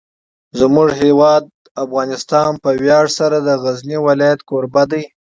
زموږ هیواد افغانستان په ویاړ سره د غزني ولایت کوربه دی.